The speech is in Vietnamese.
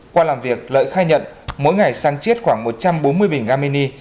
qua làm việc lợi khai nhận mỗi ngày sang chiết khoảng một trăm bốn mươi bình ga mini